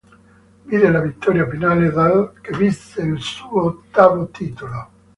Vide la vittoria finale dell', che vinse il suo ottavo titolo.